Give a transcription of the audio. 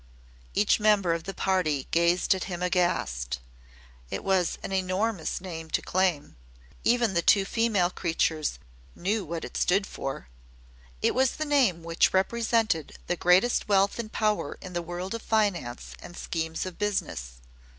Each member of the party gazed at him aghast. It was an enormous name to claim. Even the two female creatures knew what it stood for. It was the name which represented the greatest wealth and power in the world of finance and schemes of business.